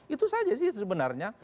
itu saja sih sebenarnya